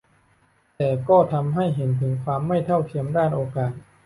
แต่ก็ทำให้เห็นถึงความไม่เท่าเทียมด้านโอกาส